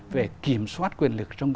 về kiểm soát quyền lực trong công tác